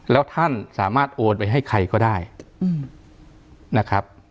แล้วท่านสามารถโอนไปให้ใครก็ได้นะครับ